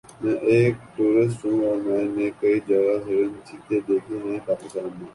میں ایک ٹورسٹ ہوں اور میں نے کئی جگہ ہرن چیتے دیکھے ہے پاکستان میں